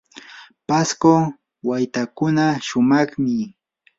pasco waytakuna shumaqmi.